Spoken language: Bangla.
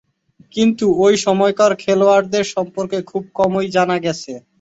কিন্তু ঐ সময়কার খেলোয়াড়দের সম্পর্কে খুব কমই জানা গেছে।